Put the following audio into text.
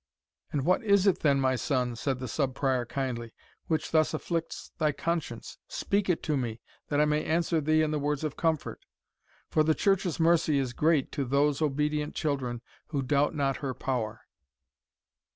"And what is it then, my son," said the Sub Prior, kindly, "which thus afflicts thy conscience? speak it to me, that I may answer thee in the words of comfort; for the Church's mercy is great to those obedient children who doubt not her power."